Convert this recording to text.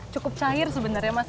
cukup cair sebenarnya mas